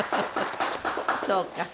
そうか。